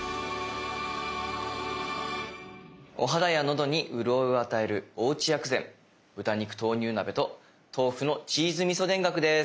お肌やのどにうるおいを与えるおうち薬膳「豚肉豆乳鍋」と「豆腐のチーズみそ田楽」です。